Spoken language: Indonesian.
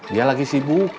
dia lagi sibuk